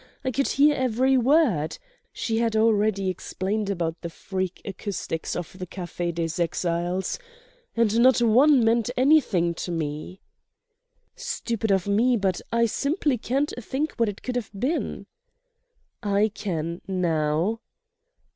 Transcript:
I could hear every word"—she had already explained about the freak acoustics of the Café des Exiles—"and not one meant anything to me." "Stupid of me, but I simply can't think what it could have been." "I can—now."